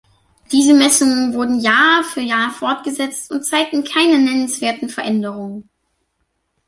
Diese Messungen wurden Jahr für Jahr fortgesetzt und zeigten keine nennenswerten Veränderungen.